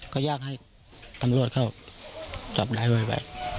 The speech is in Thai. ก็อยากให้ตำรวจเขาจับได้ไว